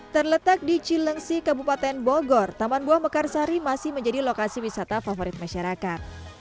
terletak di cilengsi kabupaten bogor taman buah mekarsari masih menjadi lokasi wisata favorit masyarakat